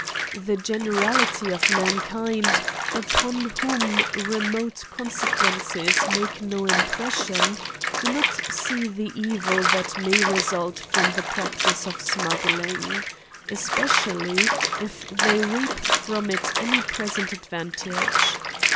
The generali ty of mankind, upon whom remote consequences make no impression, do not see the evil that may result from the practice of smuggling, especially if they reap from it any present advantage.